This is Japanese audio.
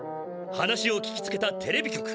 話を聞きつけたテレビ局。